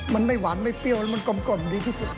มันไม่หวานไม่เปรี้ยวแล้วมันกลมดีที่สุด